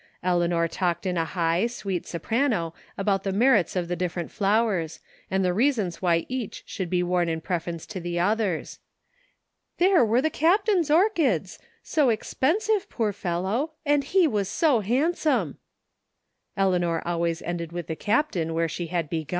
Eleanor talked in a high, sweet soprano about the merits of the different flowers, and the reasons why each should be worn in preference to the others. " There were the Captain's orchids — ^so expensive, poor fellow — and he was so handsome !*' Eleanor always ended with the Captain where she had begun.